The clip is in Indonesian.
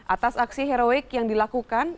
atas aksi heroik yang dilakukan